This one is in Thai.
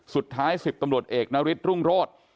สุดท้าย๑๐ตำรวจเอกนฤทธรุ่งโรธ